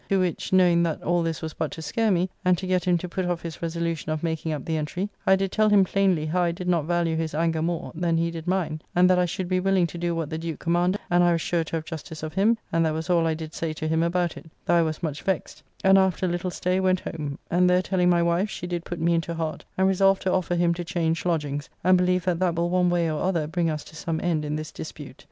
To which, knowing that all this was but to scare me, and to get him to put off his resolution of making up the entry, I did tell him plainly how I did not value his anger more, than he did mine, and that I should be willing to do what the Duke commanded, and I was sure to have justice of him, and that was all I did say to him about it, though I was much vexed, and after a little stay went home; and there telling my wife she did put me into heart, and resolve to offer him to change lodgings, and believe that that will one way or other bring us to some end in this dispute.